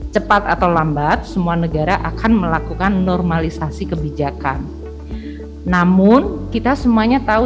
cepat atau lambat semua negara akan melakukan normalisasi kebijakan namun kita semuanya tahu